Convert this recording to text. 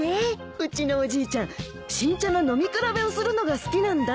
うちのおじいちゃん新茶の飲み比べをするのが好きなんだ。